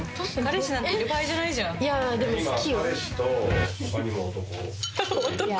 いやでも好きよ。